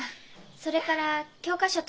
それから教科書と洋服